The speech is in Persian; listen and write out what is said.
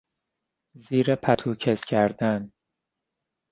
زیر پتو کز کردن